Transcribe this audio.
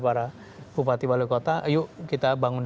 para bupati wali kota yuk kita bangun